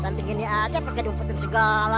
ranting ini aja pakai diumpetin segala